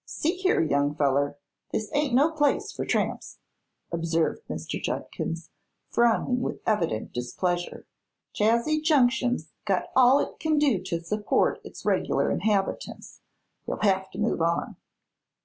'" "See here, young feller; this ain't no place fer tramps," observed Mr. Judkins, frowning with evident displeasure; "Chazy Junction's got all it kin do to support its reg'lar inhabitants. You'll hev to move on."